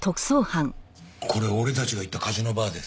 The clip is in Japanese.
これ俺たちが行ったカジノバーです。